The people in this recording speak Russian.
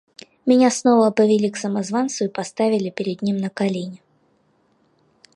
Меня снова повели к самозванцу и поставили перед ним на колени.